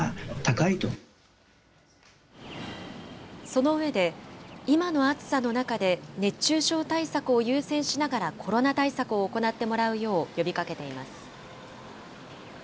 その上で、今の暑さの中で、熱中症対策を優先しながらコロナ対策を行ってもらうよう呼びかけています。